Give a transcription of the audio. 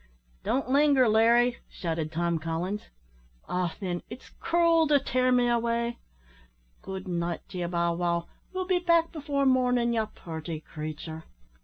"Don't linger, Larry," shouted Tom Collins. "Ah! thin, it's cruel to tear me away. Good night to ye, Bow wow, we'll be back before mornin', ye purty creature."